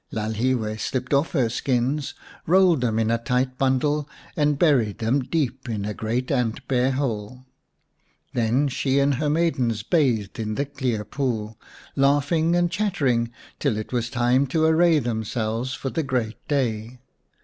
Lalhiwe slipped off her skins, rolled them in a tight bundle and buried them deep in a great 147 Baboon Skins xn ant bear hole. Then she and her maidens bathed in the clear pool, laughing and chattering, till it was time to array themselves for the great day.